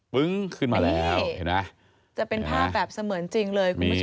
ึ้งขึ้นมาแล้วเห็นไหมจะเป็นภาพแบบเสมือนจริงเลยคุณผู้ชม